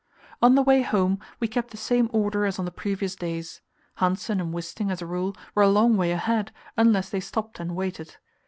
On the way home we kept the same order as on the previous days. Hanssen and Wisting, as a rule, were a long way ahead, unless they stopped and waited.